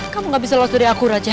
kamu gak bisa lolos dari aku raja